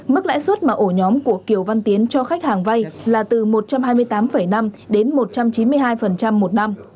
mức lãi suất mà ổ nhóm của kiều văn tiến cho khách hàng vay là từ một trăm hai mươi tám năm đến một trăm chín mươi hai một năm